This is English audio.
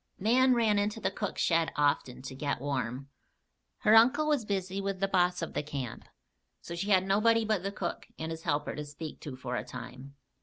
Nan ran into the cook shed often to get warm. Her uncle was busy with the boss of the camp, so she had nobody but the cook and his helper to speak to for a time.